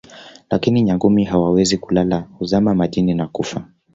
lakini Nyangumi hawawezi kulala huzama majini na kufa